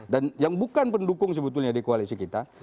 dan yang bukan pendukung sebetulnya di koalisi kita